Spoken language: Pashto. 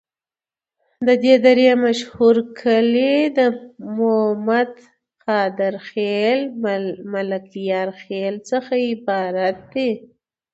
د دي درې مشهور کلي د مومد، قادر خیل، ملکیار خیل څخه عبارت دي.